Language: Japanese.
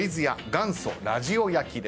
元祖ラヂオ焼きです。